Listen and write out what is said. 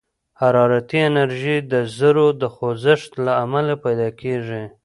حرارتي انرژي د ذرّو د خوځښت له امله پيدا کېږي.